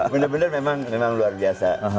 bener bener memang luar biasa